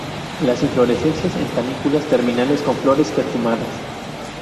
Las inflorescencias en panículas terminales con flores perfumadas.